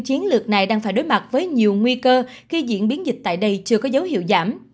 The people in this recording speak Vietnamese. họ đối mặt với nhiều nguy cơ khi diễn biến dịch tại đây chưa có dấu hiệu giảm